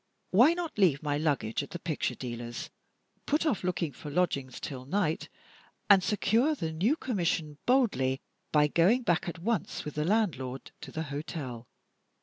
Why not leave my luggage at the picture dealer's, put off looking for lodgings till night, and secure the new commission boldly by going back at once with the landlord to the hotel?